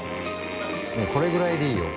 發これぐらいでいいよ。